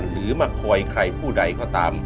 หรือมาคอยใครผู้ใดก็ตาม